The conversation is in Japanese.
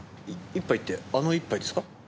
一杯ってあの一杯ですか？